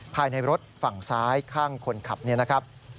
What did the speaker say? ภายในรถฝั่งซ้ายข้างคนขับนี่นะครับ